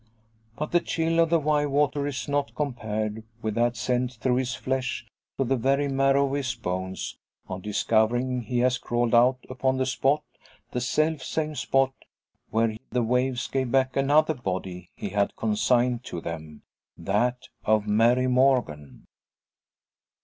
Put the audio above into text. But the chill of the Wye's water is nought compared with that sent through his flesh, to the very marrow of his bones, on discovering he has crawled out upon the spot the self same spot where the waves gave back another body he had consigned to them that of Mary Morgan!